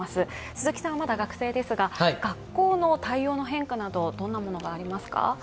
鈴木さんはまだ学生ですが学校の対応の変化などどんなものがありますか？